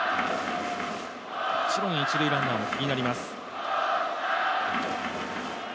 もちろん一塁ランナーも気になります。